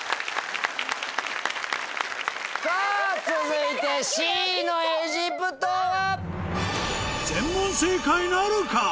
さぁ続いてＣのエジプトは？